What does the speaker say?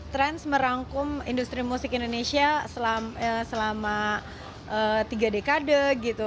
trans merangkum industri musik indonesia selama tiga dekade gitu